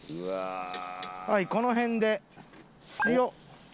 はいこの辺で塩。